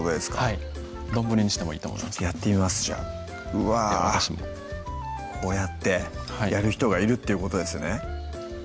はい丼にしてもいいと思いますやってみますじゃあうわこうやってやる人がいるっていうことですね